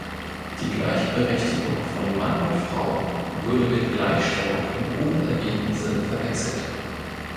Die Gleichberechtigung von Mann und Frau würde mit „Gleichstellung“ im oben erwähnten Sinn verwechselt.